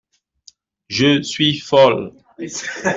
Je suis folle.